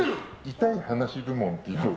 痛い話部門っていうので。